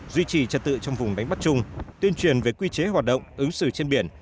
duy trì trật tự trong vùng đánh bắt chung tuyên truyền về quy chế hoạt động ứng xử trên biển